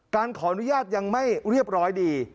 การขออนุญาตยังไม่เรียบร้อยดี